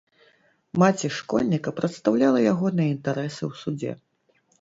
Маці школьніка прадстаўляла ягоныя інтарэсы ў судзе.